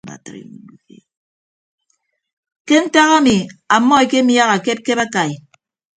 Ke ntak ami ammọ ekemiaha akepkep akai.